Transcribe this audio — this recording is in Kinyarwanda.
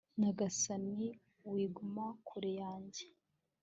nyagasani, wiguma kure yanjye